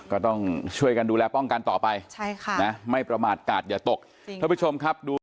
ก็ต้องช่วยกันดูแลป้องกันต่อไปใช่ค่ะไม่ประมาทกาทอย่าตก